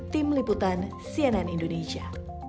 tim liputan cnn indonesia